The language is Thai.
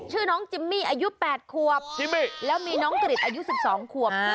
ชื่อน้องจิมมี่อายุ๘ขวบแล้วมีน้องกริจอายุ๑๒ขวบ